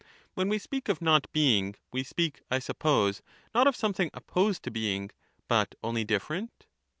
When we speak of not being, we speak, I suppose, not of something opposed to being, but only different.